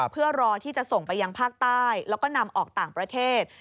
เพื่อรอที่จะส่งไปยังภาคใต้แล้วก็นำออกต่างประเทศ